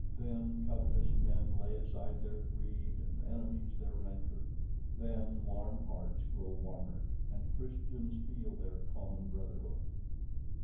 Then covetous men lay aside their greed and enemies their rancour, then warm hearts grow warmer, and Christians feel their common brotherhood.